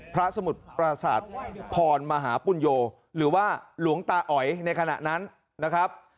สมุทรปราศาสตร์พรมหาปุญโยหรือว่าหลวงตาอ๋อยในขณะนั้นนะครับ